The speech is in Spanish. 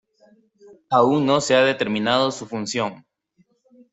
Aún no se ha determinado su función.